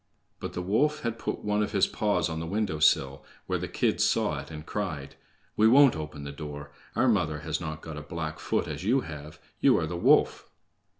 But the wolf had put one of his paws on the window sill, where the kids saw it, and cried: "We won't open the door. Our mother has not got a black foot as you have; you are the wolf."